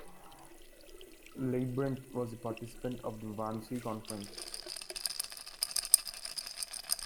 Leibbrandt was a participant of the Wannsee Conference.